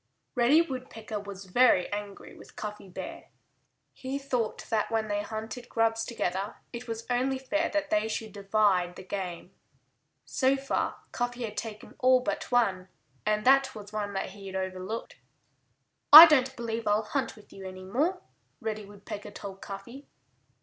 * Reddy Woodpecker was very angry with Cuffy Bear. He thought that when they hunted grubs together it was only fair that they should divide the game. So far Cuffy had taken all but one. And that was one that he had overlooked. "I don't believe I'll hunt with you any more," Reddy Woodpecker told Cuffy.